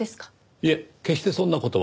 いえ決してそんな事は。